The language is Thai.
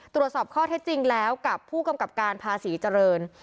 ตรวจสอบข้อเท็จจริงแล้วกับผู้กำกับการภาษีเจริญ